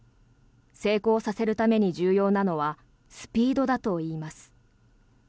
成功させるために重要なのはスピードだといいます。